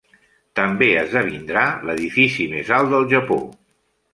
També esdevindrà l'edifici més alt del Japó.